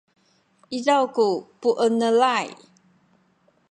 izaw ku puenelay